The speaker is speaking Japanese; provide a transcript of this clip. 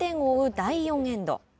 第４エンド。